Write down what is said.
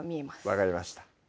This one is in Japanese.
分かりました